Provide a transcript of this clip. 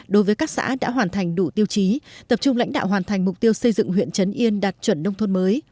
đối với các xã đã hoàn thành đủ tiêu chí tập trung lãnh đạo hoàn thành mục tiêu xây dựng huyện trấn yên đạt chuẩn nông thôn mới